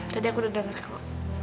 tadi aku udah denger kamu